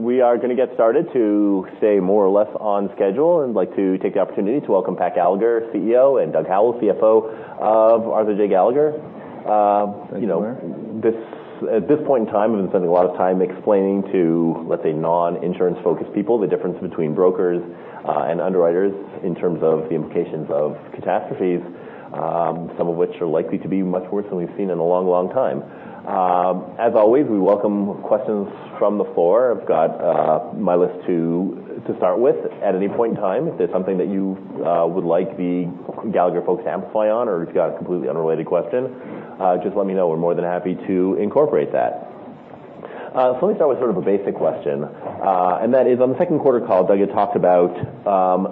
We are going to get started to stay more or less on schedule. I'd like to take the opportunity to welcome Pat Gallagher, CEO, and Doug Howell, CFO of Arthur J. Gallagher. Thank you, Meyer. At this point in time, we've been spending a lot of time explaining to, let's say, non-insurance-focused people the difference between brokers and underwriters in terms of the implications of catastrophes, some of which are likely to be much worse than we've seen in a long time. As always, we welcome questions from the floor. I've got my list to start with. At any point in time, if there's something that you would like the Gallagher folks to amplify on, or if you've got a completely unrelated question, just let me know. We're more than happy to incorporate that. Let me start with sort of a basic question, and that is, on the second quarter call, Doug, you talked about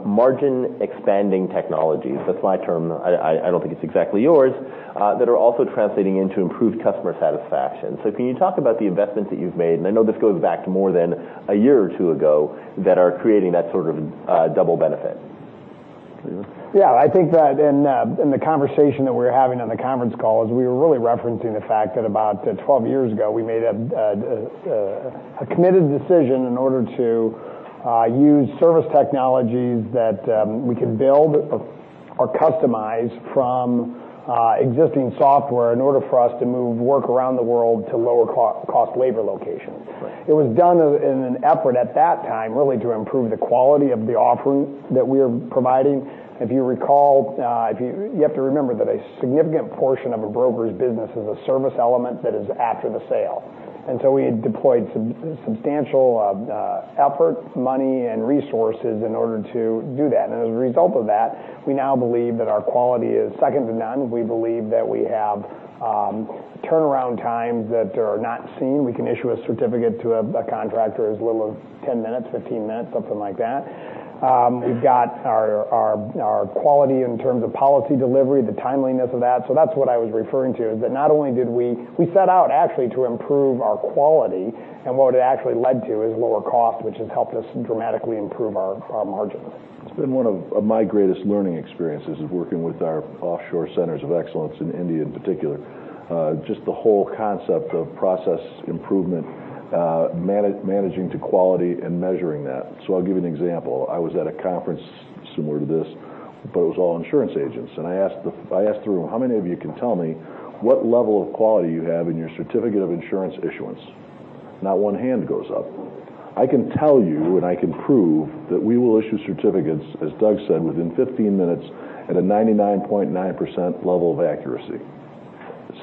margin-expanding technologies, that's my term, I don't think it's exactly yours, that are also translating into improved customer satisfaction. Can you talk about the investments that you've made, and I know this goes back more than a year or two ago, that are creating that sort of double benefit? Yeah, I think that in the conversation that we were having on the conference call is we were really referencing the fact that about 12 years ago, we made a committed decision in order to use service technologies that we could build or customize from existing software in order for us to move work around the world to lower-cost labor locations. Right. It was done in an effort at that time, really to improve the quality of the offering that we're providing. You have to remember that a significant portion of a broker's business is a service element that is after the sale. We had deployed substantial effort, money, and resources in order to do that. As a result of that, we now believe that our quality is second to none. We believe that we have turnaround times that are not seen. We can issue a certificate to a contractor as little as 10 minutes, 15 minutes, something like that. We've got our quality in terms of policy delivery, the timeliness of that. That's what I was referring to, is that not only did we set out actually to improve our quality, and what it actually led to is lower cost, which has helped us dramatically improve our margin. It's been one of my greatest learning experiences, is working with our offshore centers of excellence in India in particular. Just the whole concept of process improvement, managing to quality, and measuring that. I'll give you an example. I was at a conference similar to this, but it was all insurance agents. I asked the room, "How many of you can tell me what level of quality you have in your certificate of insurance issuance?" Not one hand goes up. I can tell you, and I can prove that we will issue certificates, as Doug said, within 15 minutes at a 99.9% level of accuracy.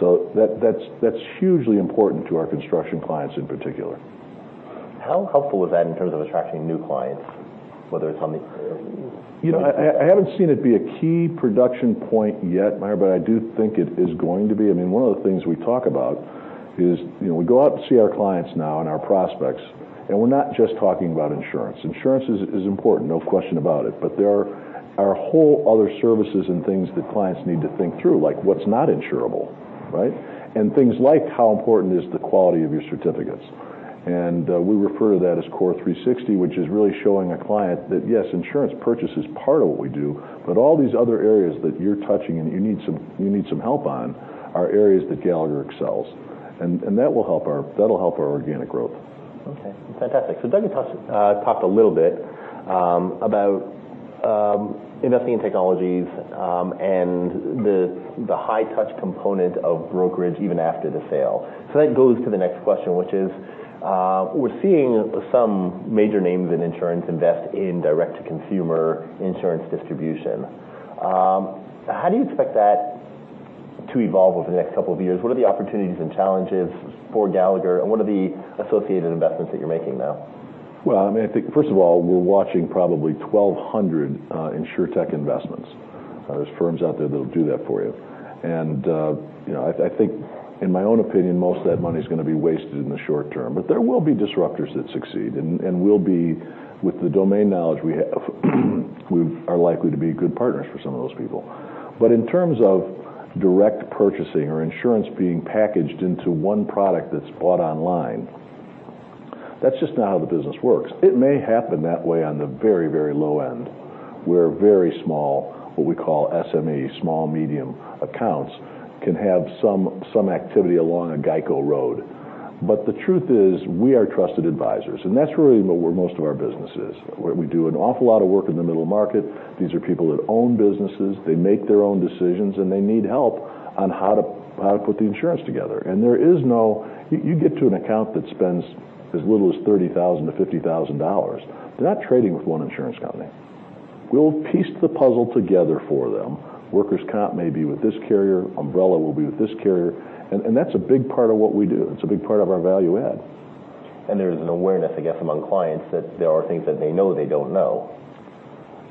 That's hugely important to our construction clients in particular. How helpful is that in terms of attracting new clients, whether it's on the? I haven't seen it be a key production point yet, Meyer. I do think it is going to be. One of the things we talk about is we go out and see our clients now and our prospects. We're not just talking about insurance. Insurance is important, no question about it, but there are whole other services and things that clients need to think through, like what's not insurable, right? Things like how important is the quality of your certificates. We refer to that as CORE360, which is really showing a client that, yes, insurance purchase is part of what we do, but all these other areas that you're touching and that you need some help on are areas that Gallagher excels. That'll help our organic growth. Okay. Fantastic. Doug, you talked a little bit about investing in technologies and the high-touch component of brokerage even after the sale. That goes to the next question, which is we're seeing some major names in insurance invest in direct-to-consumer insurance distribution. How do you expect that to evolve over the next couple of years? What are the opportunities and challenges for Gallagher, and what are the associated investments that you're making now? Well, first of all, we're watching probably 1,200 insurtech investments. There's firms out there that'll do that for you. I think in my own opinion, most of that money's going to be wasted in the short term. There will be disruptors that succeed. We'll be, with the domain knowledge we have, we are likely to be good partners for some of those people. In terms of direct purchasing or insurance being packaged into one product that's bought online, that's just not how the business works. It may happen that way on the very low end, where very small, what we call SME, small medium accounts, can have some activity along a GEICO road. The truth is, we are trusted advisors, and that's really where most of our business is. We do an awful lot of work in the middle market. These are people that own businesses. They make their own decisions, they need help on how to put the insurance together. You get to an account that spends as little as $30,000 to 50,000. They're not trading with one insurance company. We'll piece the puzzle together for them. Workers' comp may be with this carrier, umbrella will be with this carrier, that's a big part of what we do. It's a big part of our value add. There's an awareness, I guess, among clients that there are things that they know they don't know.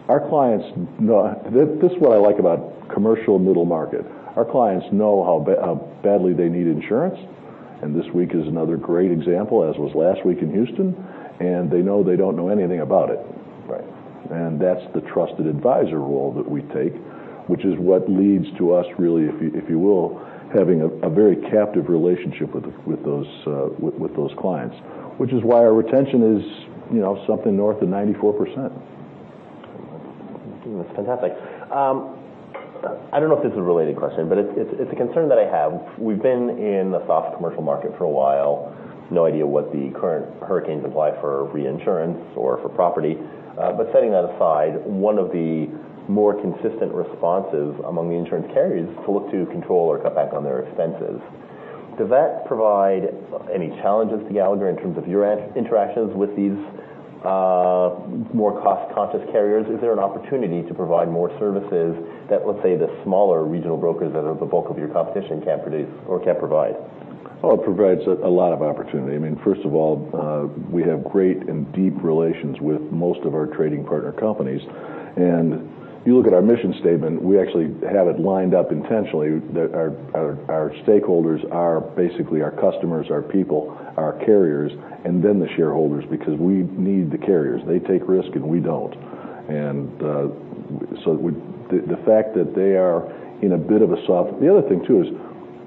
This is what I like about commercial middle market. Our clients know how badly they need insurance, this week is another great example, as was last week in Houston, they know they don't know anything about it. Right. That's the trusted advisor role that we take, which is what leads to us really, if you will, having a very captive relationship with those clients. Which is why our retention is something north of 94%. That's fantastic. I don't know if this is a related question, but it's a concern that I have. We've been in the soft commercial market for a while. No idea what the current hurricanes imply for reinsurance or for property. Setting that aside, one of the more consistent responses among the insurance carriers is to look to control or cut back on their expenses. Does that provide any challenges to Gallagher in terms of your interactions with these more cost-conscious carriers? Is there an opportunity to provide more services that, let's say, the smaller regional brokers that are the bulk of your competition can't produce or can't provide? It provides a lot of opportunity. First of all, we have great and deep relations with most of our trading partner companies. If you look at our mission statement, we actually have it lined up intentionally that our stakeholders are basically our customers, our people, our carriers, and then the shareholders because we need the carriers. They take risk, and we don't. The other thing, too, is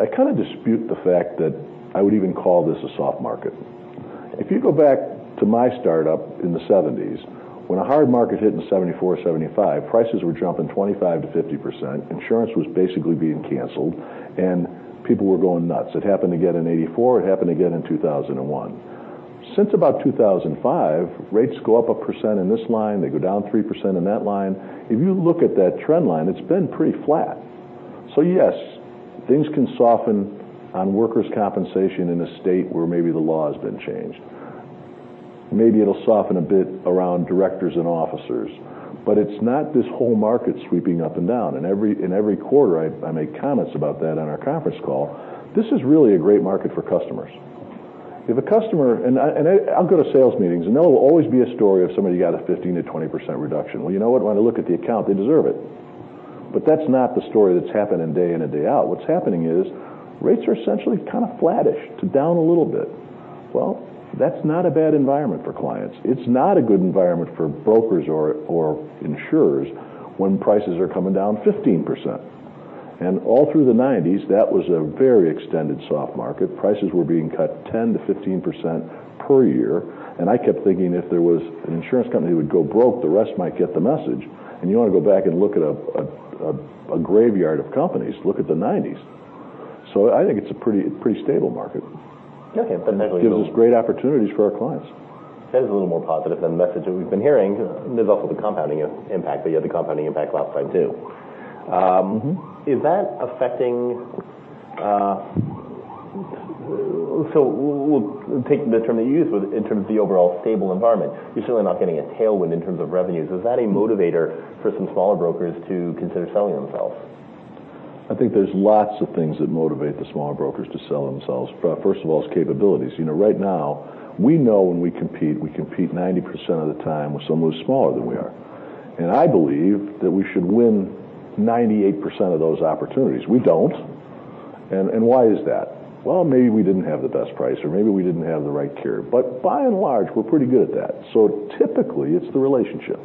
I kind of dispute the fact that I would even call this a soft market. If you go back to my startup in the 1970s, when a hard market hit in 1974, 1975, prices were jumping 25%-50%, insurance was basically being canceled, and people were going nuts. It happened again in 1984. It happened again in 2001. Since about 2005, rates go up 1% in this line, they go down 3% in that line. If you look at that trend line, it's been pretty flat. Yes, things can soften on workers' compensation in a state where maybe the law has been changed. Maybe it'll soften a bit around directors and officers, but it's not this whole market sweeping up and down. In every quarter, I make comments about that on our conference call. This is really a great market for customers. I'll go to sales meetings, and there will always be a story of somebody who got a 15%-20% reduction. Well, you know what? When I look at the account, they deserve it. That's not the story that's happening day in and day out. What's happening is rates are essentially kind of flattish to down a little bit. Well, that's not a bad environment for clients. It's not a good environment for brokers or insurers when prices are coming down 15%. All through the 1990s, that was a very extended soft market. Prices were being cut 10%-15% per year, I kept thinking if there was an insurance company that would go broke, the rest might get the message. You want to go back and look at a graveyard of companies, look at the 1990s. I think it's a pretty stable market. Okay. Fantastic. It gives us great opportunities for our clients. That is a little more positive than the message that we've been hearing. There's also the compounding impact, you had the compounding impact last time, too. We'll take the term that you used in terms of the overall stable environment. You're certainly not getting a tailwind in terms of revenues. Is that a motivator for some smaller brokers to consider selling themselves? I think there's lots of things that motivate the smaller brokers to sell themselves. First of all is capabilities. Right now we know when we compete, we compete 90% of the time with someone who's smaller than we are. I believe that we should win 98% of those opportunities. We don't, why is that? Well, maybe we didn't have the best price, or maybe we didn't have the right carrier. By and large, we're pretty good at that. Typically, it's the relationship.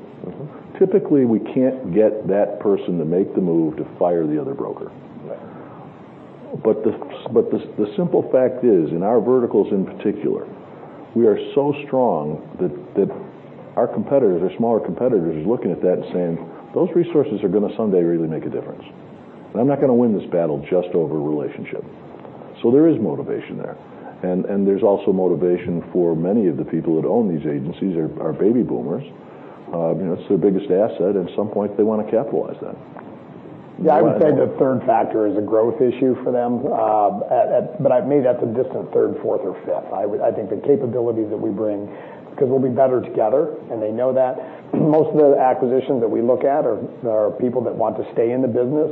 Typically, we can't get that person to make the move to fire the other broker. Right. The simple fact is, in our verticals in particular, we are so strong that our smaller competitors are looking at that and saying, "Those resources are going to someday really make a difference, I'm not going to win this battle just over relationship." There is motivation there. There's also motivation for many of the people that own these agencies are baby boomers. It's their biggest asset, at some point, they want to capitalize that. Yeah. I would say the third factor is a growth issue for them. Maybe that's a distant third, fourth, or fifth. I think the capabilities that we bring, because we'll be better together, they know that. Most of the acquisitions that we look at are people that want to stay in the business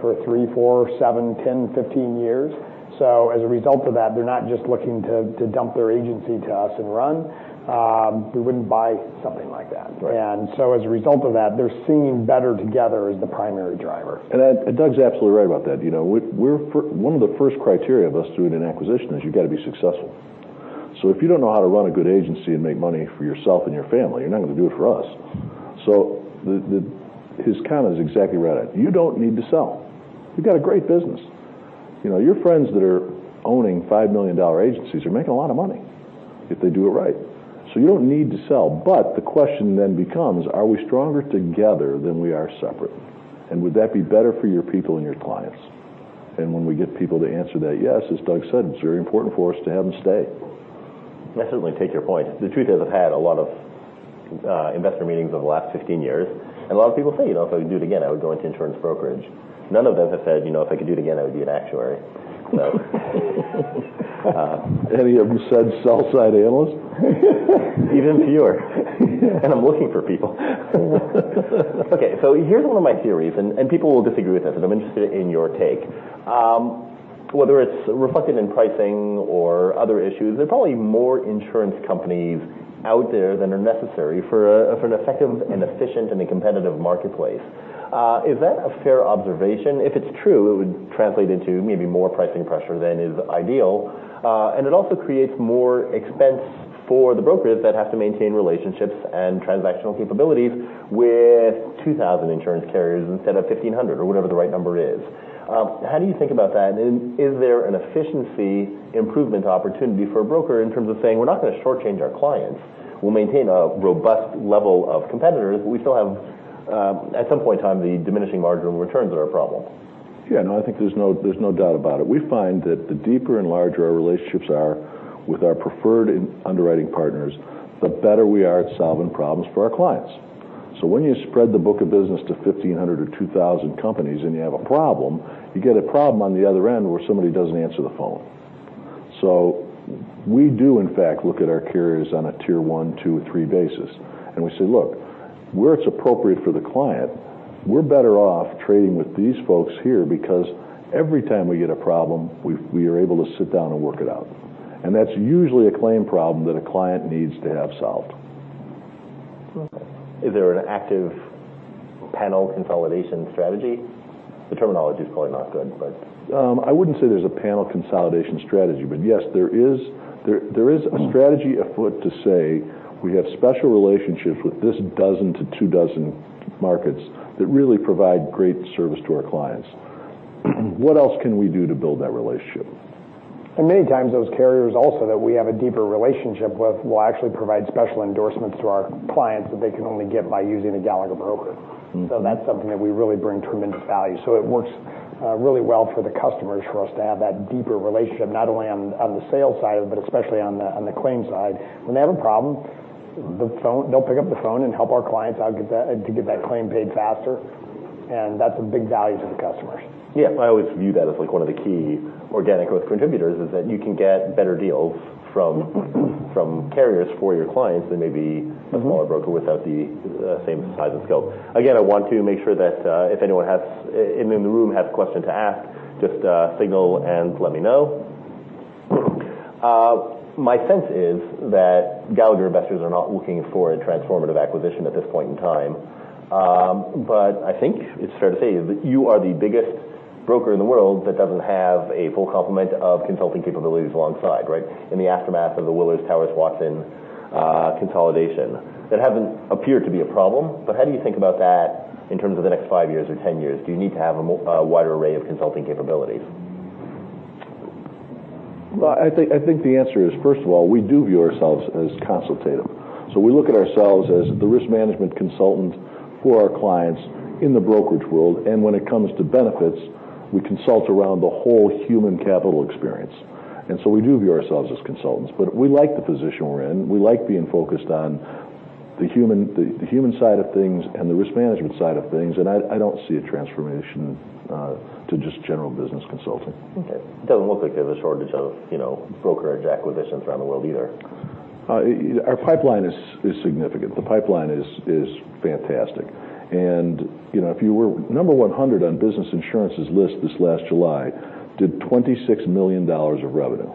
for three, four, seven, 10, 15 years. As a result of that, they're not just looking to dump their agency to us and run. We wouldn't buy something like that. Right. As a result of that, they're seeing better together as the primary driver. Doug's absolutely right about that. One of the first criteria of us doing an acquisition is you've got to be successful. If you don't know how to run a good agency and make money for yourself and your family, you're not going to do it for us. His comment is exactly right. You don't need to sell. You've got a great business. Your friends that are owning $5 million agencies are making a lot of money if they do it right. You don't need to sell. The question then becomes, are we stronger together than we are separate? Would that be better for your people and your clients? When we get people to answer that yes, as Doug said, it's very important for us to have them stay. I certainly take your point. The truth is, I've had a lot of investor meetings over the last 15 years, and a lot of people say, "If I could do it again, I would go into insurance brokerage." None of them have said, "If I could do it again, I would be an actuary. Any of them said sell-side analyst? Even fewer. I'm looking for people. Here's one of my theories, and people will disagree with this, and I'm interested in your take. Whether it's reflected in pricing or other issues, there are probably more insurance companies out there than are necessary for an effective, efficient, and a competitive marketplace. Is that a fair observation? If it's true, it would translate into maybe more pricing pressure than is ideal. It also creates more expense for the brokers that have to maintain relationships and transactional capabilities with 2,000 insurance carriers instead of 1,500, or whatever the right number is. How do you think about that? Is there an efficiency improvement opportunity for a broker in terms of saying, "We're not going to shortchange our clients. We'll maintain a robust level of competitors, but we still have at some point in time the diminishing marginal returns that are a problem. I think there's no doubt about it. We find that the deeper and larger our relationships are with our preferred underwriting partners, the better we are at solving problems for our clients. When you spread the book of business to 1,500 or 2,000 companies and you have a problem, you get a problem on the other end where somebody doesn't answer the phone. We do, in fact, look at our carriers on a tier 1, 2, or 3 basis, and we say, "Look, where it's appropriate for the client, we're better off trading with these folks here because every time we get a problem, we are able to sit down and work it out." That's usually a claim problem that a client needs to have solved. Is there an active panel consolidation strategy? The terminology is probably not good, but I wouldn't say there's a panel consolidation strategy, but yes, there is a strategy afoot to say we have special relationships with this dozen to two dozen markets that really provide great service to our clients. What else can we do to build that relationship? Many times those carriers also that we have a deeper relationship with will actually provide special endorsements to our clients that they can only get by using a Gallagher broker. That's something that we really bring tremendous value. It works really well for the customers for us to have that deeper relationship, not only on the sales side of it, but especially on the claims side. When they have a problem, they'll pick up the phone and help our clients out to get that claim paid faster, and that's a big value to the customers. Yeah. I always view that as one of the key organic growth contributors is that you can get better deals from carriers for your clients than maybe a smaller broker without the same size and scope. Again, I want to make sure that if anyone in the room has a question to ask, just signal and let me know. My sense is that Gallagher investors are not looking for a transformative acquisition at this point in time. I think it's fair to say that you are the biggest broker in the world that doesn't have a full complement of consulting capabilities alongside, right? In the aftermath of the Willis Towers Watson consolidation. That hasn't appeared to be a problem, but how do you think about that in terms of the next five years or 10 years? Do you need to have a wider array of consulting capabilities? I think the answer is, first of all, we do view ourselves as consultative. We look at ourselves as the risk management consultant for our clients in the brokerage world, and when it comes to benefits, we consult around the whole human capital experience. We do view ourselves as consultants, but we like the position we're in. We like being focused on the human side of things and the risk management side of things, and I don't see a transformation to just general business consulting. Okay. Doesn't look like there's a shortage of brokerage acquisitions around the world either. Our pipeline is significant. The pipeline is fantastic. If you were number 100 on Business Insurance's list this last July, did $26 million of revenue.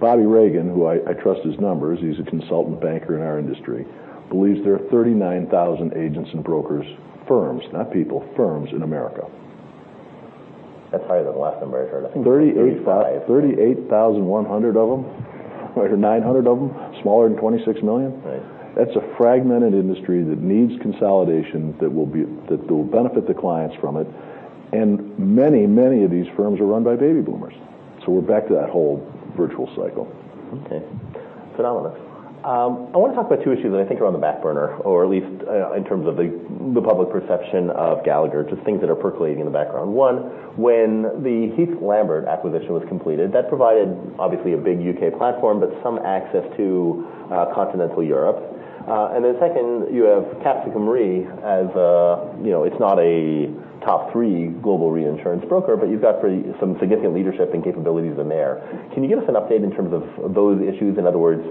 Bobby Reagan, who I trust his numbers, he's a consultant banker in our industry, believes there are 39,000 agents and brokers, firms, not people, firms in America. That's higher than the last number I heard. I think it was like 35. 38,100 of them or 900 of them, smaller than $26 million? Right. That's a fragmented industry that needs consolidation that will benefit the clients from it. Many of these firms are run by baby boomers. We're back to that whole virtual cycle. Okay. Phenomenal. I want to talk about two issues that I think are on the back burner, or at least in terms of the public perception of Gallagher, just things that are percolating in the background. One, when the Heath Lambert acquisition was completed, that provided obviously a big U.K. platform, but some access to continental Europe. Second, you have Capsicum Re. It's not a top three global reinsurance broker, but you've got some significant leadership and capabilities in there. Can you give us an update in terms of those issues, in other words,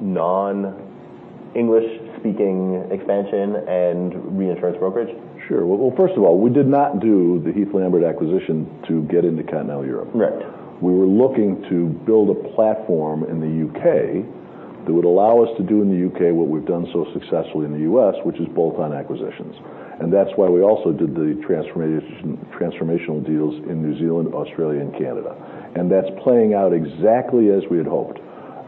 non-English speaking expansion and reinsurance brokerage? Sure. Well, first of all, we did not do the Heath Lambert acquisition to get into continental Europe. Right. We were looking to build a platform in the U.K. that would allow us to do in the U.K. what we've done so successfully in the U.S., which is bolt-on acquisitions. That's why we also did the transformational deals in New Zealand, Australia, and Canada. That's playing out exactly as we had hoped.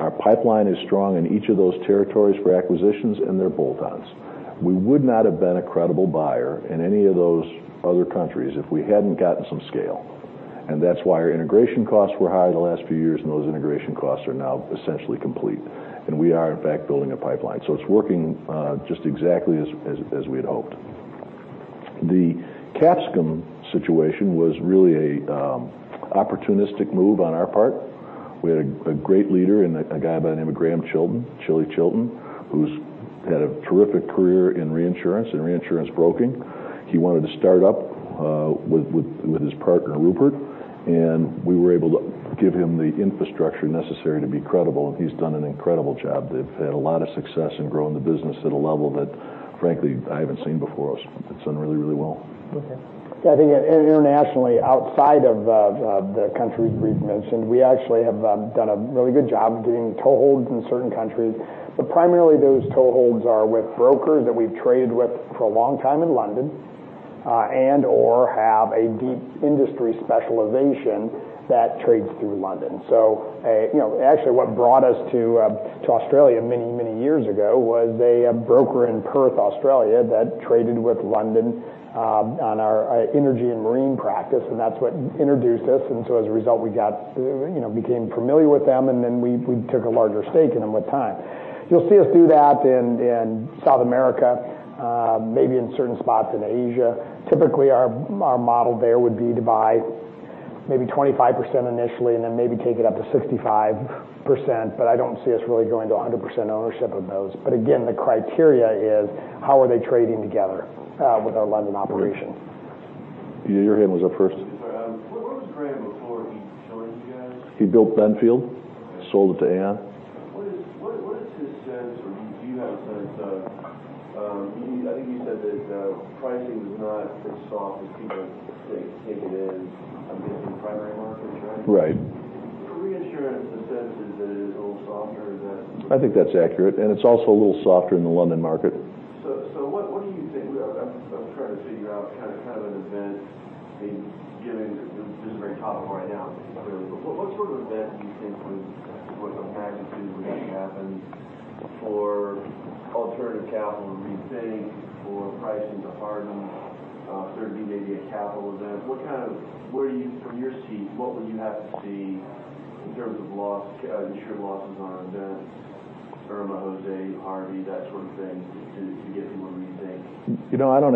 Our pipeline is strong in each of those territories for acquisitions and their bolt-ons. We would not have been a credible buyer in any of those other countries if we hadn't gotten some scale. That's why our integration costs were high the last few years, and those integration costs are now essentially complete. We are, in fact, building a pipeline. It's working just exactly as we had hoped. The Capsicum situation was really an opportunistic move on our part. We had a great leader in a guy by the name of Grahame Chilton, Chilly Chilton, who's had a terrific career in reinsurance and reinsurance broking. He wanted to start up with his partner, Rupert, we were able to give him the infrastructure necessary to be credible, he's done an incredible job. They've had a lot of success in growing the business at a level that, frankly, I haven't seen before us. It's done really well. Okay. I think internationally, outside of the countries we've mentioned, we actually have done a really good job getting toeholds in certain countries. Primarily, those toeholds are with brokers that we've traded with for a long time in London, and/or have a deep industry specialization that trades through London. Actually, what brought us to Australia many years ago was a broker in Perth, Australia, that traded with London on our energy and marine practice, that's what introduced us. As a result, we became familiar with them, then we took a larger stake in them with time. You'll see us do that in South America, maybe in certain spots in Asia. Typically, hat's what introduced us. As a result, we became familiar with them, then we took a larger stake in tour model there would be to buy maybe 25% initially, then maybe take it up to 65%. I don't see us really going to 100% ownership of those. Again, the criteria is how are they trading together with our London operation? Great. Your hand was up first. I'm sorry. What was Grahame before he joined you guys? He built Benfield. Okay. Sold it to Aon. What is his sense, or do you have a sense of I think you said that pricing was not as soft as people think it is in the primary market, right? Right. Reinsurance, the sense is that it is a little softer. Is that? I think that's accurate. It's also a little softer in the London market. What do you think? I'm trying to figure out an event, given this is very topical right now clearly. What sort of event do you think would unpack the things that need to happen for alternative capital rethink, for pricing to harden? Certainly may be a capital event. From your seat, what would you have to see in terms of insured losses on events, Irma, Jose, Harvey, that sort of thing, to get to a rethink? I don't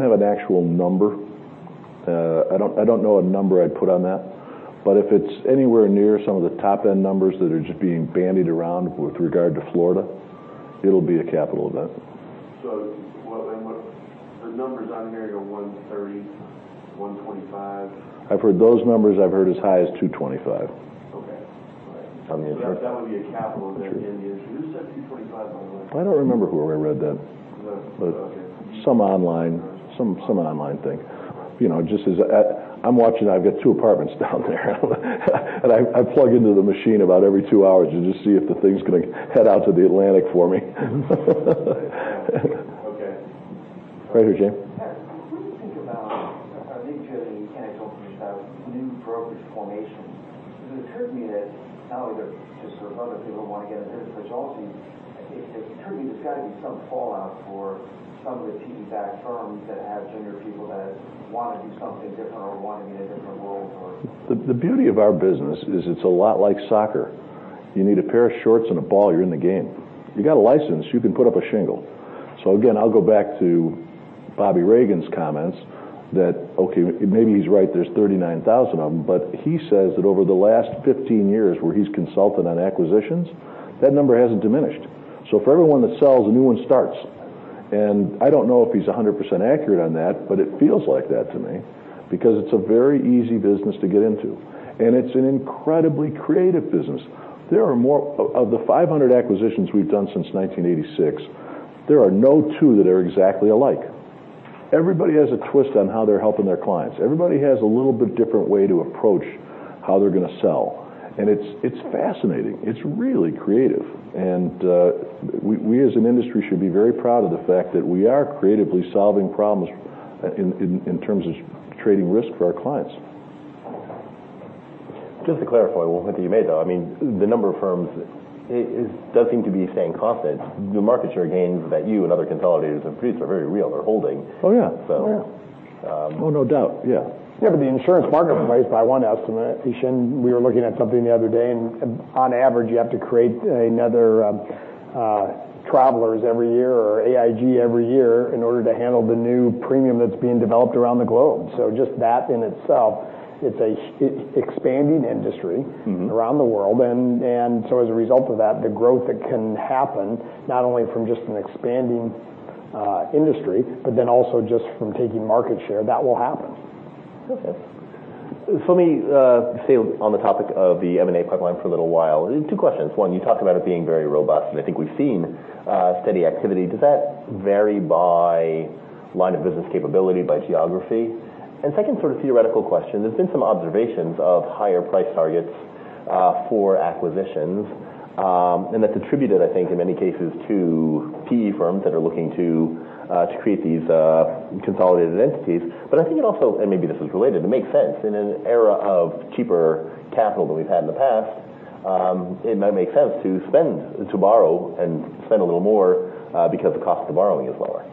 have an actual number. I don't know a number I'd put on that. If it's anywhere near some of the top-end numbers that are just being bandied around with regard to Florida, it'll be a capital event. The numbers I'm hearing are $130, $125. I've heard those numbers. I've heard as high as $225. Okay. All right. On the insurance. That would be a capital event- True in the industry. Who said 225, by the way? I don't remember where I read that. Okay. Some online thing. I'm watching, I've got two apartments down there, and I plug into the machine about every two hours to just see if the thing's going to head out to the Atlantic for me. Okay. Right here, James. Terrence, what do you think about, I think Jim and you kind of talked about new brokerage formation, because the tyranny is not only that just sort of other people want to get in the business, there's also, I think the tyranny, there's got to be some fallout for some of the PE-backed firms that have younger people that want to do something different or want to be in a different role. The beauty of our business is it's a lot like soccer. You need a pair of shorts and a ball, you're in the game. You got a license, you can put up a shingle. Again, I'll go back to Bobby Reagan's comments that, okay, maybe he's right, there's 39,000 of them, he says that over the last 15 years where he's consulted on acquisitions, that number hasn't diminished. For every one that sells, a new one starts. I don't know if he's 100% accurate on that, it feels like that to me because it's a very easy business to get into. It's an incredibly creative business. Of the 500 acquisitions we've done since 1986, there are no two that are exactly alike. Everybody has a twist on how they're helping their clients. Everybody has a little bit different way to approach how they're going to sell. It's fascinating. It's really creative. We as an industry should be very proud of the fact that we are creatively solving problems in terms of trading risk for our clients. Just to clarify one point that you made, though, the number of firms does seem to be staying constant. The market share gains that you and other consolidators have produced are very real. They're holding. Oh, yeah. So. Oh, no doubt. Yeah. The insurance marketplace, by one estimate, Hishin, we were looking at something the other day. On average, you have to create another Travelers every year or AIG every year in order to handle the new premium that's being developed around the globe. Just that in itself, it's an expanding industry. Around the world. As a result of that, the growth that can happen, not only from just an expanding industry, but also just from taking market share, that will happen. Okay. Let me stay on the topic of the M&A pipeline for a little while. Two questions. One, you talked about it being very robust, and I think we've seen steady activity. Does that vary by line of business capability, by geography? Second theoretical question, there's been some observations of higher price targets for acquisitions. That's attributed, I think, in many cases to PE firms that are looking to create these consolidated entities. I think it also, and maybe this is related, it makes sense. In an era of cheaper capital than we've had in the past, it might make sense to borrow and spend a little more because the cost of borrowing is lower.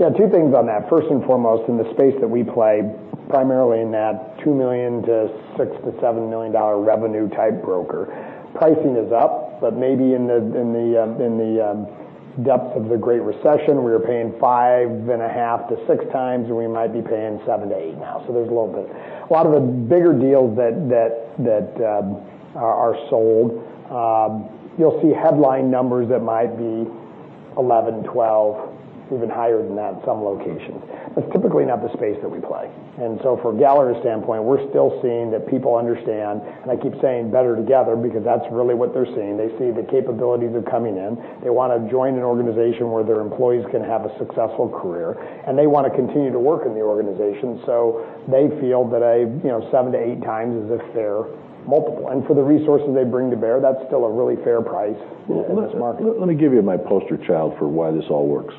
Two things on that. First and foremost, in the space that we play, primarily in that $2 million to $6 million-$7 million revenue-type broker, pricing is up, but maybe in the depths of the Great Recession, we were paying 5.5 to 6 times, and we might be paying 7 to 8 now. There's a little bit. A lot of the bigger deals that are sold, you'll see headline numbers that might be 11, 12, even higher than that in some locations. That's typically not the space that we play. From Gallagher's standpoint, we're still seeing that people understand, and I keep saying better together because that's really what they're seeing. They see the capabilities are coming in. They want to join an organization where their employees can have a successful career, and they want to continue to work in the organization. They feel that seven to eight times is a fair multiple. For the resources they bring to bear, that's still a really fair price in this market. Let me give you my poster child for why this all works.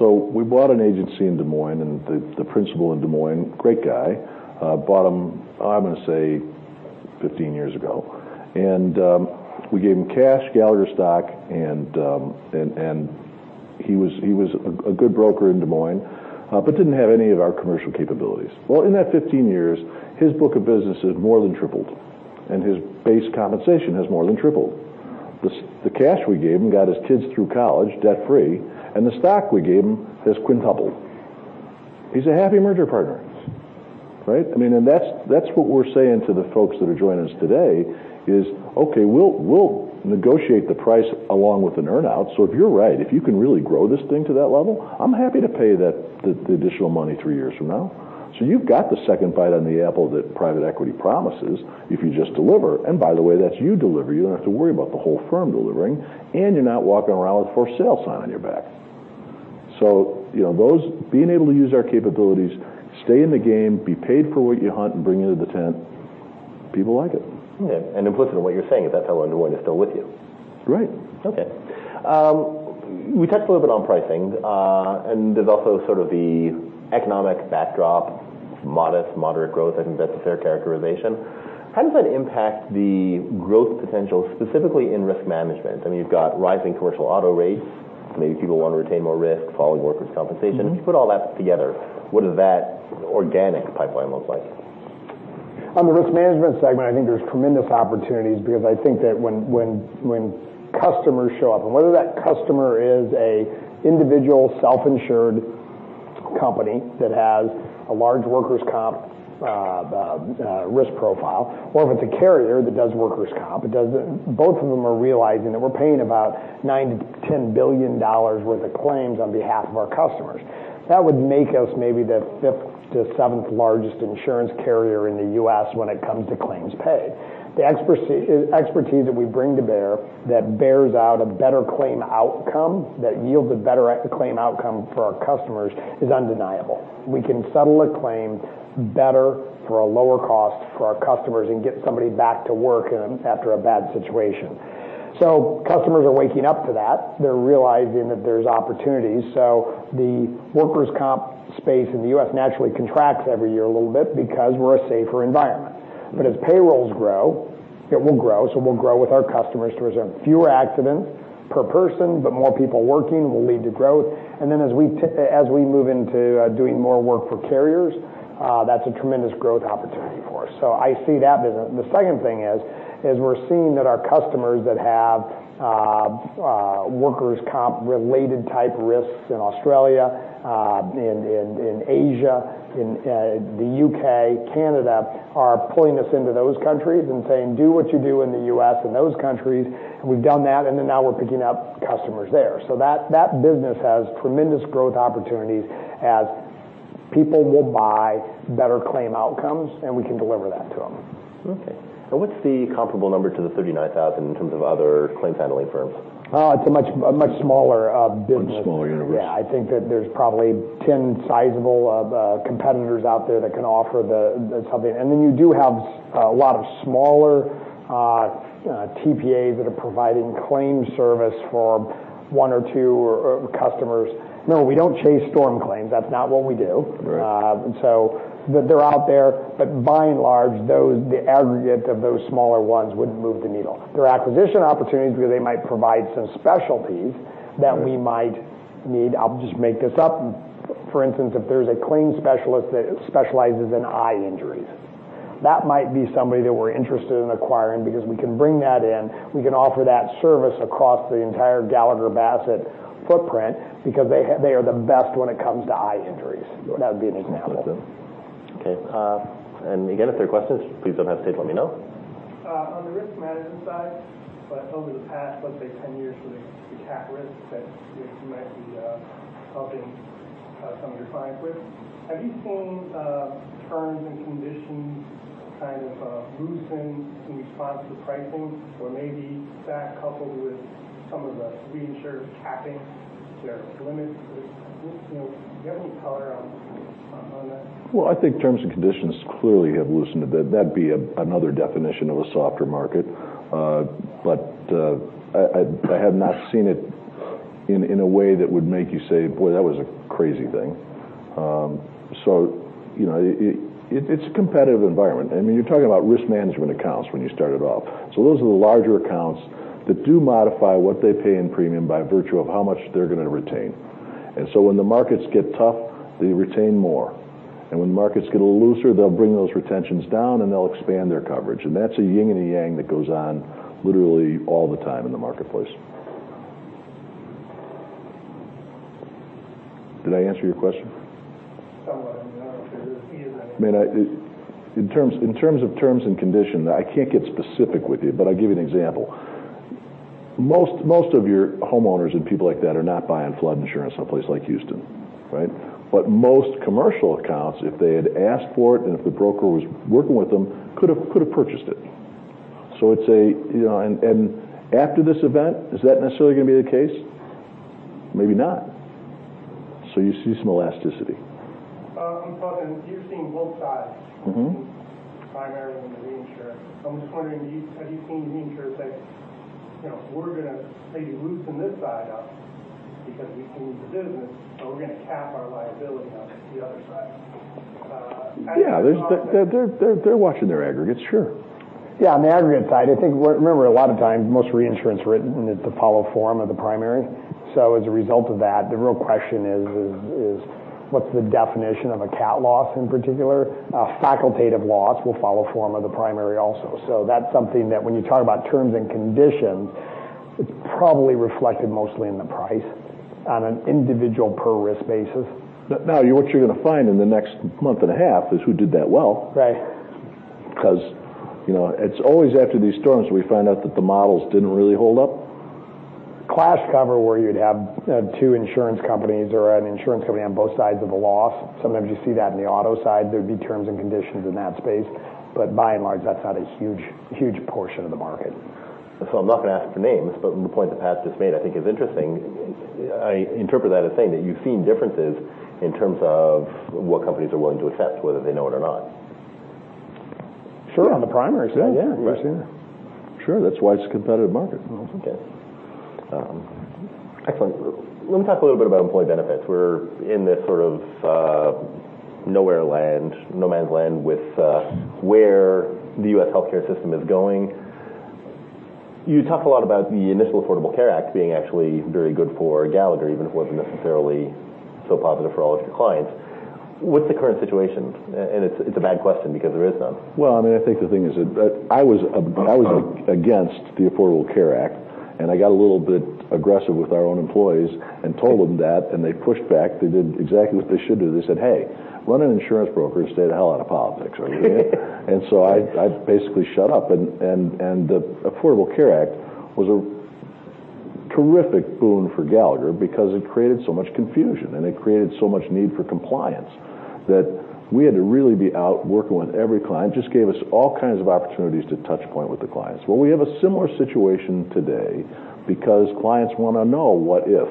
We bought an agency in Des Moines, and the principal in Des Moines, great guy. Bought him, I'm going to say 15 years ago. We gave him cash, Gallagher stock, and He was a good broker in Des Moines, but didn't have any of our commercial capabilities. Well, in that 15 years, his book of business has more than tripled, and his base compensation has more than tripled. The cash we gave him got his kids through college debt-free, and the stock we gave him has quintupled. He's a happy merger partner. Right? That's what we're saying to the folks that are joining us today is, okay, we'll negotiate the price along with an earn-out. If you're right, if you can really grow this thing to that level, I'm happy to pay the additional money three years from now. You've got the second bite on the apple that private equity promises if you just deliver, and by the way, that's you deliver. You don't have to worry about the whole firm delivering, and you're not walking around with a for sale sign on your back. Being able to use our capabilities, stay in the game, be paid for what you hunt and bring into the tent, people like it. Okay. Implicit in what you're saying is that's how Underwood is still with you. Right. Okay. We touched a little bit on pricing. There's also sort of the economic backdrop, modest, moderate growth, I think that's a fair characterization. How does that impact the growth potential specifically in risk management? You've got rising commercial auto rates. Maybe people want to retain more risk following workers' compensation. If you put all that together, what does that organic pipeline look like? On the risk management segment, I think there's tremendous opportunities because I think that when customers show up, whether that customer is an individual self-insured company that has a large workers' comp risk profile, or if it's a carrier that does workers' comp, both of them are realizing that we're paying about $9 to 10 billion worth of claims on behalf of our customers. That would make us maybe the fifth to seventh largest insurance carrier in the U.S. when it comes to claims paid. The expertise that we bring to bear that bears out a better claim outcome, that yields a better claim outcome for our customers is undeniable. We can settle a claim better for a lower cost for our customers and get somebody back to work after a bad situation. Customers are waking up to that. They're realizing that there's opportunities. The workers' comp space in the U.S. naturally contracts every year a little bit because we're a safer environment. As payrolls grow, it will grow, so we'll grow with our customers. There's fewer accidents per person, but more people working will lead to growth. As we move into doing more work for carriers, that's a tremendous growth opportunity for us. I see that business. The second thing is we're seeing that our customers that have workers' comp related type risks in Australia, in Asia, in the U.K., Canada, are pulling us into those countries and saying, "Do what you do in the U.S.," in those countries. We've done that, and then now we're picking up customers there. That business has tremendous growth opportunities as people will buy better claim outcomes, and we can deliver that to them. Okay. What's the comparable number to the 39,000 in terms of other claims handling firms? It's a much smaller business. Much smaller universe. Yeah. I think that there's probably 10 sizable competitors out there that can offer something. You do have a lot of smaller TPAs that are providing claim service for one or two customers. No, we don't chase storm claims. That's not what we do. Right. They're out there, but by and large, the aggregate of those smaller ones wouldn't move the needle. They're acquisition opportunities because they might provide some specialties that we might need. I'll just make this up. For instance, if there's a claims specialist that specializes in eye injuries. That might be somebody that we're interested in acquiring because we can bring that in. We can offer that service across the entire Gallagher Bassett footprint because they are the best when it comes to eye injuries. That would be an example. Okay. Again, if there are questions, please don't hesitate to let me know. On the risk management side, over the past, let's say, 10 years with the cat risks that you might be helping some of your clients with, have you seen terms and conditions kind of loosen in response to pricing, or maybe that coupled with some of the reinsurers capping their limits? Do you have any color on that? I think terms and conditions clearly have loosened a bit. That'd be another definition of a softer market. I have not seen it in a way that would make you say, "Boy, that was a crazy thing." It's a competitive environment. You're talking about risk management accounts when you started off. Those are the larger accounts that do modify what they pay in premium by virtue of how much they're going to retain. When the markets get tough, they retain more. When markets get a little looser, they'll bring those retentions down, and they'll expand their coverage. That's a yin and a yang that goes on literally all the time in the marketplace. Did I answer your question? Somewhat. In terms of terms and conditions, I can't get specific with you, I'll give you an example. Most of your homeowners and people like that are not buying flood insurance in a place like Houston. Right? Most commercial accounts, if they had asked for it and if the broker was working with them, could have purchased it. After this event, is that necessarily going to be the case? Maybe not. You see some elasticity. I'm talking you've seen both sides. Primarily on the reinsurance. I'm just wondering, have you seen the reinsurers say, "We're going to maybe loosen this side up because we see the business, so we're going to cap our liability on the other side. Yeah. They're watching their aggregates, sure. Yeah, on the aggregate side, I think, remember, a lot of times, most reinsurance written is the follow form of the primary. As a result of that, the real question is, what's the definition of a cat loss in particular? A facultative loss will follow form of the primary also. That's something that when you talk about terms and conditions, it's probably reflected mostly in the price on an individual per-risk basis. Now, what you're going to find in the next month and a half is who did that well. Right. It's always after these storms we find out that the models didn't really hold up. Clash cover, where you'd have two insurance companies or an insurance company on both sides of a loss. Sometimes you see that on the auto side. There'd be terms and conditions in that space. By and large, that's not a huge portion of the market. I'm not going to ask for names, the point that Pat just made I think is interesting. I interpret that as saying that you've seen differences in terms of what companies are willing to accept, whether they know it or not. Sure, on the primary side, yeah. Yeah. Sure. That's why it's a competitive market. Okay. Excellent. Let me talk a little bit about employee benefits. We're in this sort of nowhere land, no man's land with where the U.S. healthcare system is going. You talk a lot about the initial Affordable Care Act being actually very good for Gallagher, even if it wasn't necessarily so positive for all of your clients. What's the current situation? It's a bad question because there is none. Well, I mean, I think the thing is that I was against the Affordable Care Act, I got a little bit aggressive with our own employees and told them that, they pushed back. They did exactly what they should do. They said, "Hey, run an insurance broker and stay the hell out of politics." You know? I basically shut up. The Affordable Care Act was a terrific boon for Gallagher because it created so much confusion, it created so much need for compliance that we had to really be out working with every client. Just gave us all kinds of opportunities to touch point with the clients. Well, we have a similar situation today because clients want to know what if.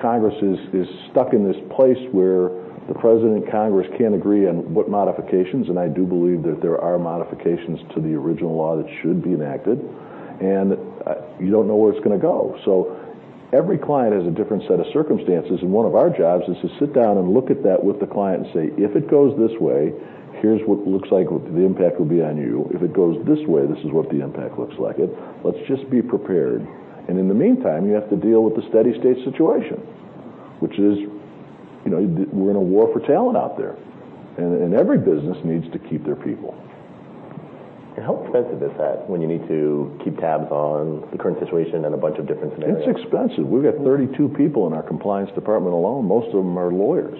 Congress is stuck in this place where the president and Congress can't agree on what modifications, I do believe that there are modifications to the original law that should be enacted. You don't know where it's going to go. Every client has a different set of circumstances, one of our jobs is to sit down and look at that with the client and say, "If it goes this way, here's what it looks like the impact will be on you. If it goes this way, this is what the impact looks like. Let's just be prepared." In the meantime, you have to deal with the steady-state situation, which is we're in a war for talent out there, every business needs to keep their people. How expensive is that when you need to keep tabs on the current situation and a bunch of different scenarios? It's expensive. We've got 32 people in our compliance department alone. Most of them are lawyers.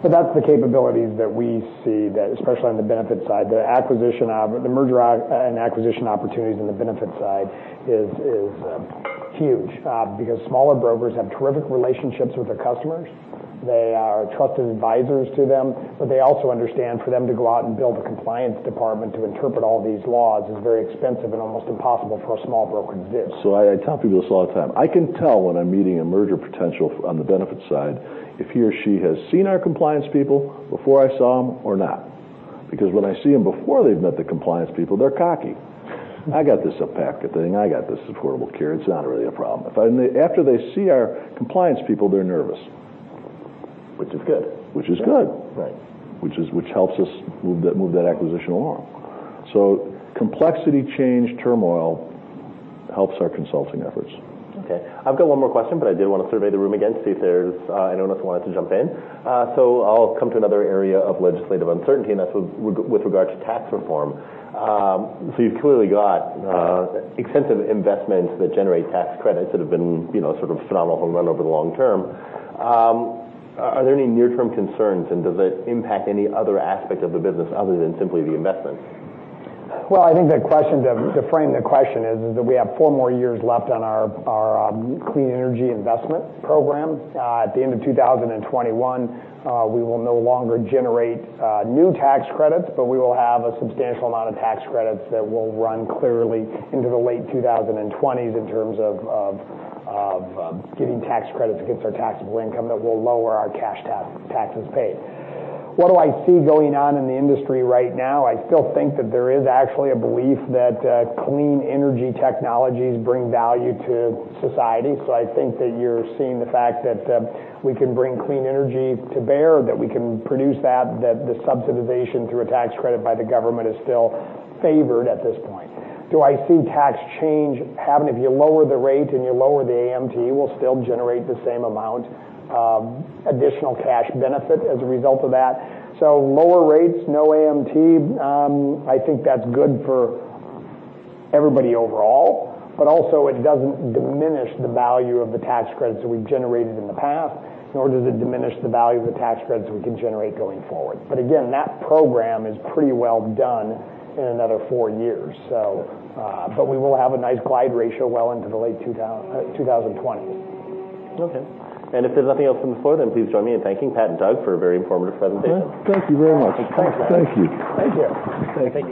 Okay. That's the capabilities that we see, especially on the benefits side, the merger and acquisition opportunities on the benefits side is huge because smaller brokers have terrific relationships with their customers. They are trusted advisors to them. They also understand for them to go out and build a compliance department to interpret all these laws is very expensive and almost impossible for a small broker to do. I tell people this all the time. I can tell when I'm meeting a merger potential on the benefits side if he or she has seen our compliance people before I saw them or not. Because when I see them before they've met the compliance people, they're cocky. "I got this ACA thing. I got this Affordable Care. It's not really a problem." After they see our compliance people, they're nervous. Which is good. Which is good. Right. Which helps us move that acquisition along. Complexity, change, turmoil helps our consulting efforts. Okay. I've got one more question, but I did want to survey the room again to see if there's anyone else who wanted to jump in. I'll come to another area of legislative uncertainty, and that's with regard to tax reform. You've clearly got extensive investments that generate tax credits that have been sort of a phenomenal run over the long term. Are there any near-term concerns, and does it impact any other aspect of the business other than simply the investment? Well, I think to frame the question is that we have four more years left on our clean energy investment program. At the end of 2021, we will no longer generate new tax credits, but we will have a substantial amount of tax credits that will run clearly into the late 2020s in terms of getting tax credits against our taxable income that will lower our cash taxes paid. What do I see going on in the industry right now? I still think that there is actually a belief that clean energy technologies bring value to society. I think that you're seeing the fact that we can bring clean energy to bear, that we can produce that the subsidization through a tax credit by the government is still favored at this point. Do I see tax change happening? If you lower the rate and you lower the AMT, we'll still generate the same amount of additional cash benefit as a result of that. Lower rates, no AMT, I think that's good for everybody overall, but also it doesn't diminish the value of the tax credits that we've generated in the past, nor does it diminish the value of the tax credits we can generate going forward. Again, that program is pretty well done in another four years. We will have a nice glide ratio well into the late 2020s. Okay. If there's nothing else from the floor, then please join me in thanking Pat and Doug for a very informative presentation. Thank you very much. Thanks. Thank you. Thank you. Thank you.